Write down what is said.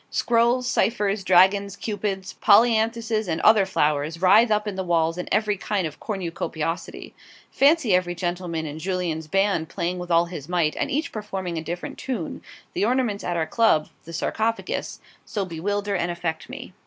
Scrolls, ciphers, dragons, Cupids, polyanthuses, and other flowers writhe up the walls in every kind of cornucopiosity. Fancy every gentleman in Jullien's band playing with all his might, and each performing a different tune; the ornaments at our Club, the 'Sarcophagus,' so bewilder and affect me.